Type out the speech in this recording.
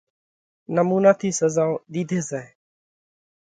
نمُونا ٿِي سزائون ۮِيڌي زائه۔